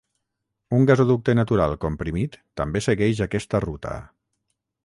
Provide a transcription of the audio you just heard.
Un gasoducte natural comprimit també segueix aquesta ruta.